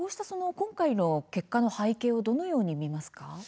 今回の結果の背景をどう見ますか。